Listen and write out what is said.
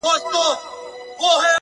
• ستا د خولې سلام مي د زړه ور مات كړ ـ